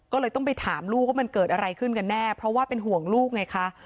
ก็เลยต้องไปถามลูกว่ามันเกิดอะไรขึ้นกันแน่เพราะว่าเป็นห่วงลูกไงคะ